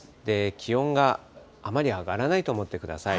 気温があまり上がらないと思ってください。